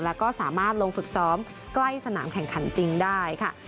แล้วก็สามารถลงฝึกซ้อมใกล้สนามแข่งขันจริงได้ค่ะ